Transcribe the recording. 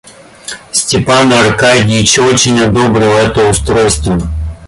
Степан Аркадьич очень одобрил это устройство.